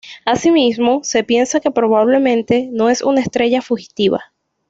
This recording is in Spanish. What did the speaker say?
Asimismo, se piensa que probablemente no es una estrella fugitiva.